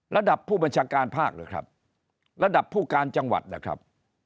ระดับผู้บัญชาการภาคหรือครับระดับผู้การจังหวัดนะครับ